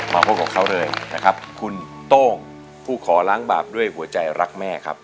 มาพบกับเขาเลยนะครับคุณโต้งผู้ขอล้างบาปด้วยหัวใจรักแม่ครับ